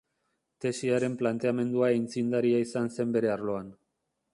Tesiaren planteamendua aitzindaria izan zen bere arloan.